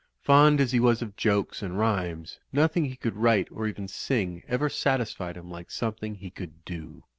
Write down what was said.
Fond as he was of jokes and rhymes, nothing he could write or even sing ever satisfied him like something he could do.